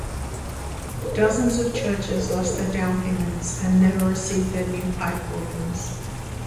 Dozens of churches lost their down-payments and never received their new pipe organs.